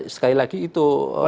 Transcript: sekali lagi itu